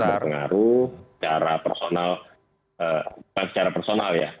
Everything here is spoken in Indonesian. berpengaruh secara personal bukan secara personal ya